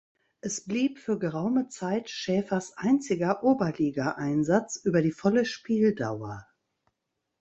Es blieb für geraume Zeit Schäfers einziger Oberligaeinsatz über die volle Spieldauer.